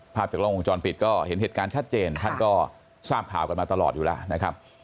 จากล้องวงจรปิดก็เห็นเหตุการณ์ชัดเจนท่านก็ทราบข่าวกันมาตลอดอยู่แล้วนะครับ